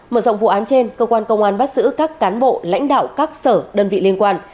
mở rộng vụ án trên cơ quan công an bắt giữ các cán bộ lãnh đạo các sở đơn vị liên quan